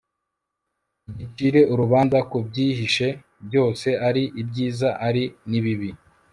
igicire urubanza ku byihishe byose, ari ibyiza ari n'ibibi